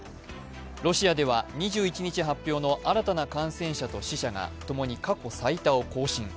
ロシアでは２１日発表の新たな感染者と死者が共に過去最多を更新。